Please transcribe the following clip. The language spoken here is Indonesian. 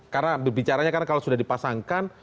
karena bicaranya kalau sudah dipasangkan